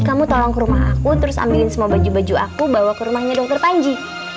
kamu tolong ke rumah aku terus ambilin semua baju baju aku bawa ke rumahnya dokter panji